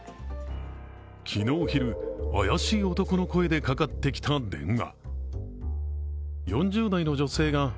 昨日昼、怪しい男の声でかかってきた電話。